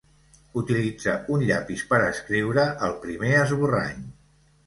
Utilitza un llapis per escriure el primer esborrany.